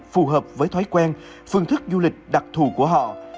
phù hợp với thói quen phương thức du lịch đặc thù của họ